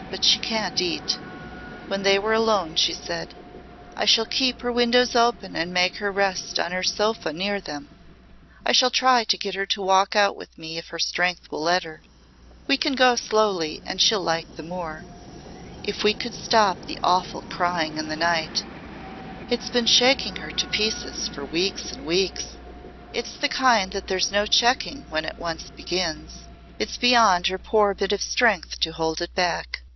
But she can't eat." When they were alone she said, "I shall keep her windows open and make her rest on her sofa near them. I shall try to get her to walk out with me if her strength will let her. We can go slowly and she'll like the moor. If we could stop the awful crying in the night It's been shaking her to pieces for weeks and weeks It's the kind that there's no checking when it once begins. It's beyond her poor bit of strength to hold it back.